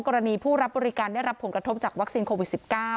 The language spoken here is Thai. กรณีผู้รับบริการได้รับผลกระทบจากวัคซีนโควิด๑๙